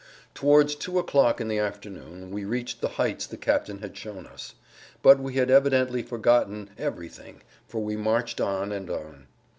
Towards two o'clock in the afternoon we reached the heights the captain had shown us, but he had evidently[Pg 113] forgotten everything, for we marched on and on.